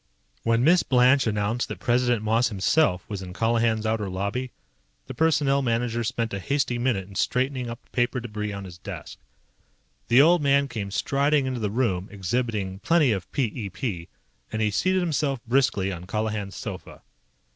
When Miss Blanche announced that President Moss himself was in Colihan's outer lobby, the Personnel Manager spent a hasty minute in straightening up the paper debris on his desk. The old man came striding into the room, exhibiting plenty of p e p, and he seated himself briskly on Colihan's sofa.